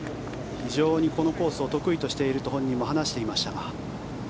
非常にこのコースを得意としていると本人も話していましたが。